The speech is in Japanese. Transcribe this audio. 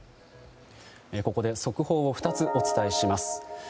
ここで速報を２つお伝えします。